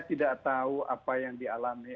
tidak tahu apa yang dialami